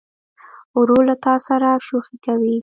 ورور له تا سره شوخي کوي.